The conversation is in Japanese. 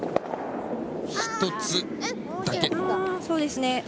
そうですね。